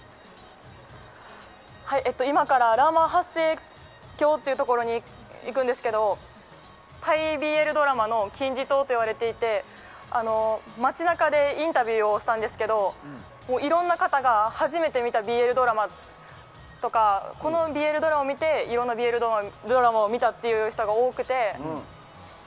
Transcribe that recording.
今からラーマ８世橋というところに行くんですけどタイＢＬドラマの金字塔といわれていて街中でインタビューをしたんですがいろんな方が初めて見たＢＬドラマとかこのＢＬドラマを見ていろんなＢＬドラマを見たという人が多くて。